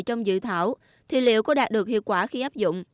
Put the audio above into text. trong dự thảo thì liệu có đạt được hiệu quả khi áp dụng